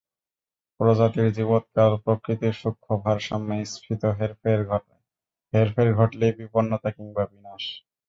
প্রজাতির জীবৎকাল প্রকৃতির সূক্ষ্ম ভারসাম্যে স্থিত, হেরফের ঘটলেই বিপন্নতা কিংবা বিনাশ।